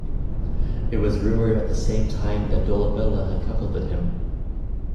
It was rumoured at the same time that Dolabella had cuckolded him.